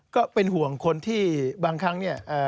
ก็เป็นห่วงคนที่บางครั้งเนี่ย